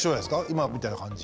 今みたいな感じ。